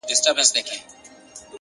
کنجکاوي د پوهې سرچینه ده!.